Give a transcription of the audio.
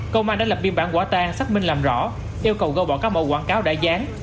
công an đã lập biên bản quả tang xác minh làm rõ yêu cầu gâu bỏ các bộ quảng cáo đại gián